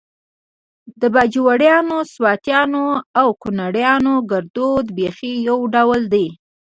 د باجوړیانو، سواتیانو او کونړیانو ګړدود بیخي يو ډول دی